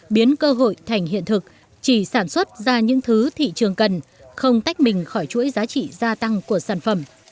biến cơ hội thành hiện thực chỉ sản xuất ra những thứ thị trường cần không tách mình khỏi chuỗi giá trị gia tăng của sản phẩm